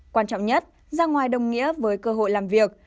quan trọng nhất ra ngoài đồng nghĩa với cơ hội làm việc